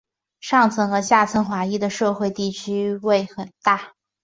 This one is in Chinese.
上层和下层华裔的社会地位区别很大。